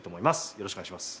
よろしくお願いします。